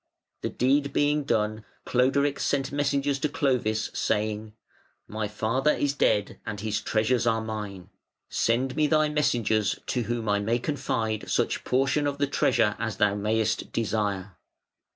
The deed being done, Cloderic sent messengers to Clovis saying: "My father is dead and his treasures are mine. Send me thy messengers to whom I may confide such portion of the treasure as thou mayest desire".